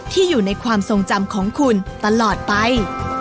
อยู่ในความทรงจำของคุณตลอดไป